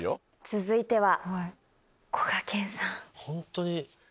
続いては。